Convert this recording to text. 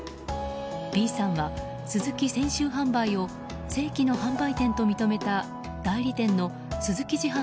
Ｂさんはスズキ泉州販売を正規の販売店と認めた代理店のスズキ自販